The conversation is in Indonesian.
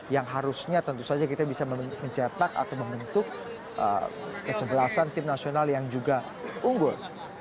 yang harusnya tentu saja kita bisa mencetak atau membentuk kesebelasan tim nasional yang juga unggul